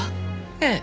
ええ。